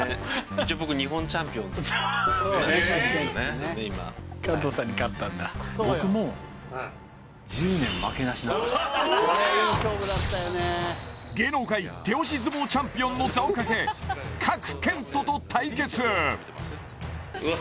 一応僕日本チャンピオンらしいよね加藤さんに勝ったんだ僕も芸能界手押し相撲チャンピオンの座をかけ賀来賢人と対決うわ